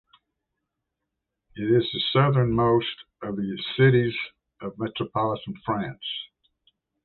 It is the southern most of the cities of metropolitan France.